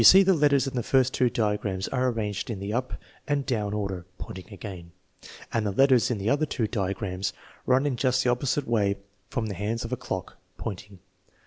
You see the letters in the first two diagrams are arranged in the up and down order (pointing again), and the letters in the other two diagrams run in just the opposite way from the hands of a clock (pointing).